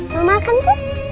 mama kan cus